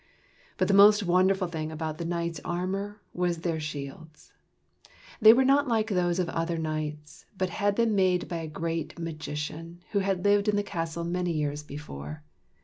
But the most wonderful thing about the knights' armor was their shields. They were not like those of other knights, but had been made by a great magician who had lived in the castle many years before.